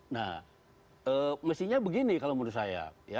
nah mestinya begini kalau menurut saya